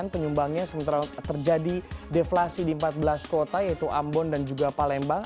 penyumbangnya sementara terjadi deflasi di empat belas kota yaitu ambon dan juga palembang